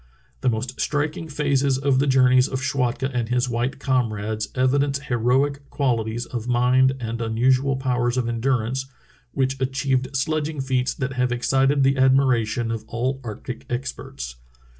The most striking phases of the journeys of Schwatka and his white comrades evidence heroic qualities of mind and unusual powers of endurance which achieved sledging feats that have excited the admiration of all arctic experts.